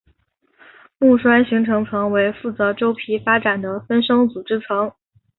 木栓形成层为负责周皮发展的分生组织层。